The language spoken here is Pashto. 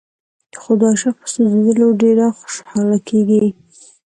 خو د عاشق په سوځېدلو ډېره خوشاله کېږي.